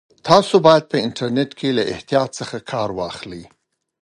تاسو باید په انټرنیټ کې له احتیاط څخه کار واخلئ.